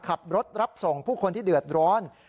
กลับบื้อไม่มีที่เอาเลย